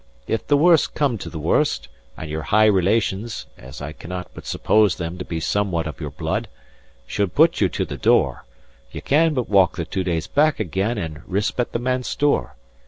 If the worst came to the worst, and your high relations (as I cannot but suppose them to be somewhat of your blood) should put you to the door, ye can but walk the two days back again and risp at the manse door.